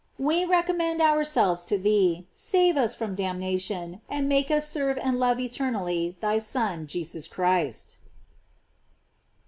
We recommend ourselves to thee; save us from damnation, and make us serve and love eternally thy Son Jesus Christ.